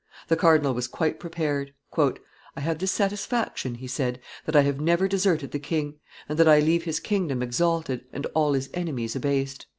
The cardinal was quite prepared. "I have this satisfaction," he said, "that I have never deserted the king, and that I leave his kingdom exalted, and all his enemies abased."